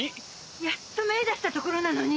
やっと芽出したところなのに。